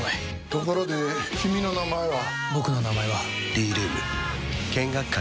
ところで君の名前は？